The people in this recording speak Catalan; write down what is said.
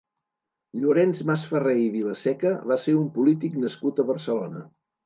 Llorenç Masferrer i Vilaseca va ser un polític nascut a Barcelona.